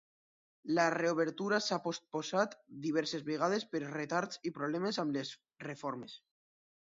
La reobertura s’ha postposat diverses vegades per retards i problemes amb les reformes.